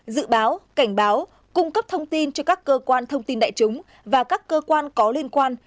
dự báo cảnh báo cung cấp thông tin cho các cơ quan thông tin đại chúng và các cơ quan có liên quan